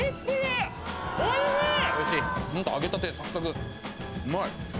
うまい。